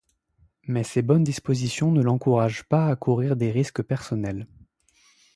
Mais ces bonnes dispositions ne l’encouragent pas à courir des risques personnels.